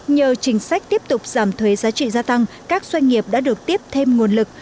nhờ chính sách tiếp tục giảm thuế giá trị gia tăng các doanh nghiệp đã được tiếp thêm nguồn lực